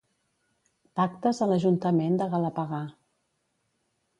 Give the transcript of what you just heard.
Pactes a l'Ajuntament de Galapagar.